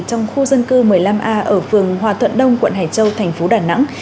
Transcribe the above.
trong khu dân cư một mươi năm a ở phường hòa thuận đông quận hải châu thành phố đà nẵng